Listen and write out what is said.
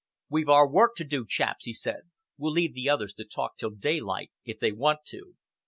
"We've our work to do, chaps," he said. "We'll leave the others to talk till daylight, if they want to."